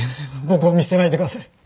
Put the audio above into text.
僕を見捨てないでください。